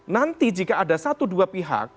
nanti jika ada satu dua pihak